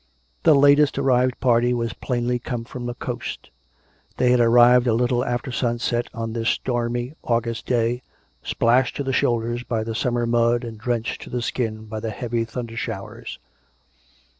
The latest arrived party was plainly come from the coast. They had arrived a little after sunset on this srtormy Au gust day, splashed to the shoulders by the summer mud, and drenched to the skin by the heavy thunder showers.